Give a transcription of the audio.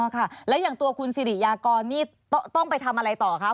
ค่ะแล้วอย่างตัวคุณสิริยากรนี่ต้องไปทำอะไรต่อคะ